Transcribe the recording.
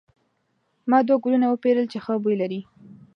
ما دوه ګلونه وپیرل چې ښه بوی لري.